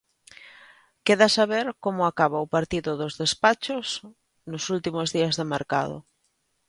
Queda saber como acaba o partido dos despachos nos últimos días de mercado.